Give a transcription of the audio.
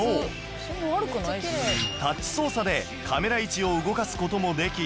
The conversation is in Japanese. タッチ操作でカメラ位置を動かす事もでき